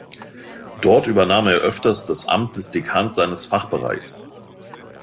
Dort übernahm er öfters das Amt des Dekans seines Fachbereichs.